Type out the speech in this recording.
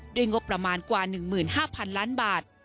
งบประมาณกว่า๑๕๐๐๐ล้านบาท